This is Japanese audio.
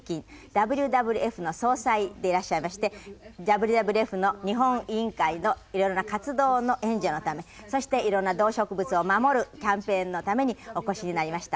ＷＷＦの総裁でいらっしゃいましてＷＷＦの日本委員会の色々な活動の援助のためそして色んな動植物を守るキャンペーンのためにお越しになりました。